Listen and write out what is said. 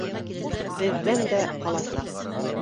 Беҙҙән дә ҡаласаҡ